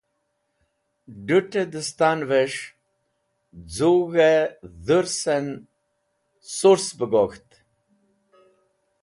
D̃ũt̃ẽ dẽstanvẽs̃h z̃ug̃hẽ dhũrsẽn sũrs bẽ gok̃ht.